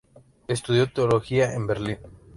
Estudió teología en Berlín.